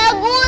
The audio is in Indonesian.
tante aku mau